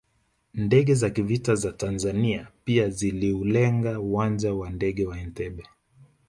Ndege za kivita za Tanzania pia ziliulenga uwanja wa ndege wa Entebbe